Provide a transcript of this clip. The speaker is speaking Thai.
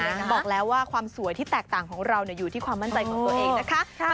บอกแล้วว่าความสวยที่แตกต่างของเราอยู่ที่ความมั่นใจของตัวเองนะคะ